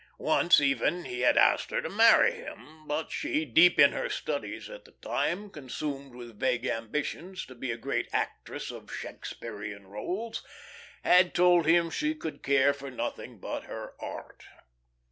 Once, even, he had asked her to marry him, but she, deep in her studies at the time, consumed with vague ambitions to be a great actress of Shakespearian roles, had told him she could care for nothing but her art.